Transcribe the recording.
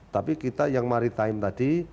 tapi kita yang maritime tadi